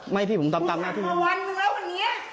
ไม่พี่ผมตามหน้าที่กูสั่งมาวันนึงแล้ววันนี้